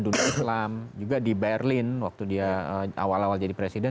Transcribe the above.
dipakai sebagai presiden